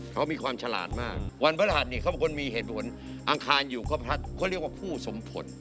เขามีความฉลาดมากวันพระราชเนี่ยเขาเป็นคนมีเหตุผลอังคารอยู่ก็พูดสมผล